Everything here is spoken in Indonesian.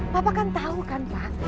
papa kan tau kan pak